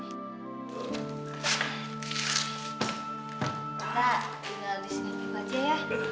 kita tinggal di sini saja ya